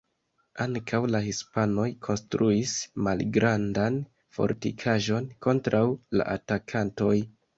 Ankaŭ la hispanoj konstruis malgrandan fortikaĵon kontraŭ la atakantoj.